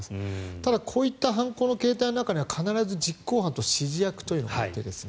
ただ、こういった犯行の形態の中には必ず実行犯と指示役というのがいてですね